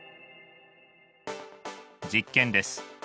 実験です。